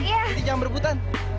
jadi jangan berhutang